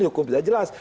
hukum sudah jelas